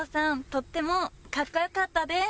とってもかっこよかったです。